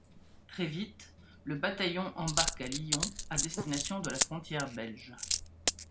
Très vite, le bataillon embarque à Lyon à destination de la frontière belge.